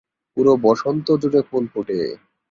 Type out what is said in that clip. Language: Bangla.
পুরো বসন্ত জুড়ে ফুল ফুটে।